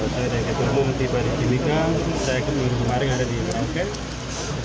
saya dengan ketua umum tiba di timika saya kembali ke pon dua puluh papua